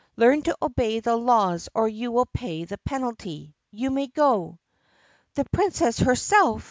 Learn to obey the laws or you will pay the penalty. You may go!" "The Princess herself!"